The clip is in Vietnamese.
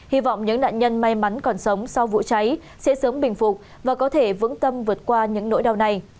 hy vọng những nạn nhân may mắn còn sống sau vụ cháy sẽ sớm bình phục và có thể vững tâm vượt qua những nỗi đau này